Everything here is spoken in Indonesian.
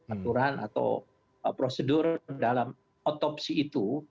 aturan atau prosedur dalam otopsi itu